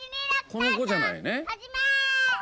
この子じゃないよね？